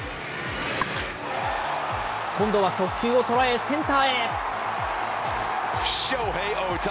今度は速球を捉え、センターへ。